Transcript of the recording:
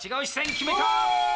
決めた！